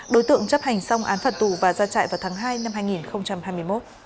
đối tượng chấp hành xong án phạt tù và ra chạy vào tháng hai năm hai nghìn hai mươi một